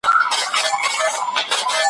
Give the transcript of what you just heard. وو ریښتونی په ریشتیا په خپل بیان کي `